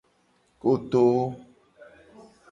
Koto.